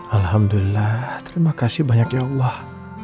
alhamdulillah terima kasih banyak ya allah